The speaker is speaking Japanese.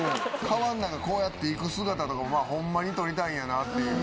川の中こうやって行く姿とかはホンマに捕りたいんやなっていう。